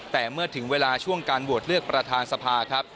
แต่เมื่อถึงเวลาช่วงการโหวตเลือกประธานสภาครับ